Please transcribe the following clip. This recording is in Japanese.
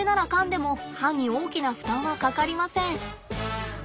でも歯に大きな負担はかかりません。